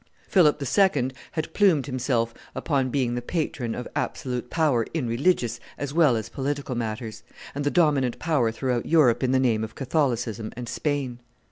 Philip II. had plumed himself upon being the patron of absolute power in religious as well as political matters, and the dominant power throughout Europe in the name of Catholicism and Spain.